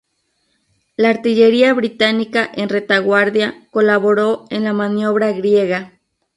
La artillería británica en retaguardia colaboró en la maniobra griega.